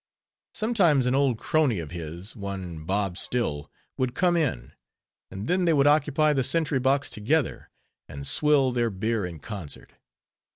Sometimes an old crony of his, one Bob Still, would come in; and then they would occupy the sentry box together, and swill their beer in concert.